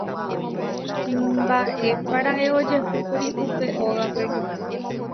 Mba'épara'e ojehúkuri upe ógape.